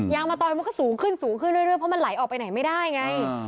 ยางมะตอยมันก็สูงขึ้นเรื่อยเพราะมันไหลออกไปไหนไม่ได้ไง